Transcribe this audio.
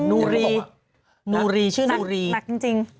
นูรีชื่อนุรีหนักหนักจริง